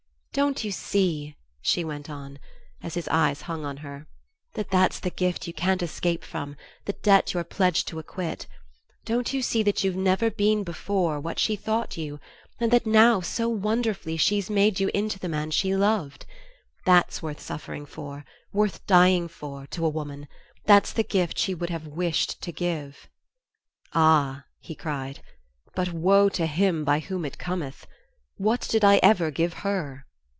"Don't you see," she went on, as his eyes hung on her, "that that's the gift you can't escape from, the debt you're pledged to acquit? Don't you see that you've never before been what she thought you, and that now, so wonderfully, she's made you into the man she loved? THAT'S worth suffering for, worth dying for, to a woman that's the gift she would have wished to give!" "Ah," he cried, "but woe to him by whom it cometh. What did I ever give her?"